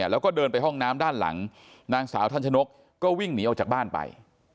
แล้วก็เดินไปห้องน้ำด้านหลังนางสาวทันชนกก็วิ่งหนีออกจากบ้านไป